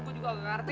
gue juga gak ngerti